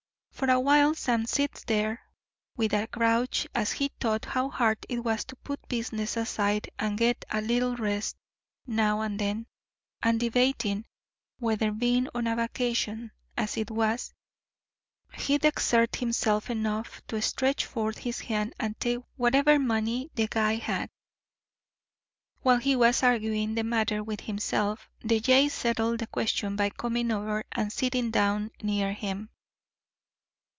For a while Sam sits there with a grouch as he thought how hard it was to put business aside and get a little rest now and then, and debating whether, being on a vacation, as it was, he'd exert himself enough to stretch forth his hand and take whatever money the guy had. While he was arguing the matter with himself, the jay settled the question by coming over and sitting down near him.